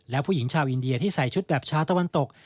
และผู้หญิงชาวอินเดียที่ใส่ชุดแบบชาวตะวันตก